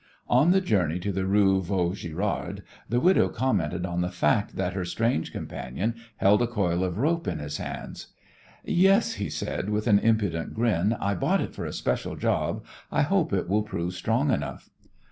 On the journey to the Rue Vaugirard the widow commented on the fact that her strange companion held a coil of rope in his hands. "Yes," he said, with an impudent grin, "I bought it for a special job. I hope it will prove strong enough."